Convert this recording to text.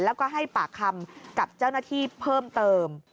แล้วก็ให้ปากคำกับเจ้าหน้าที่เพิ่มเติม